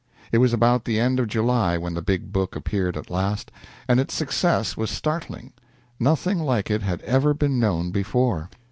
It was about the end of July when the big book appeared at last, and its success was startling. Nothing like it had ever been known before.